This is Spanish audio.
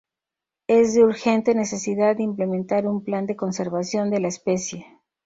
Es de urgente necesidad implementar un plan de conservación de la especie.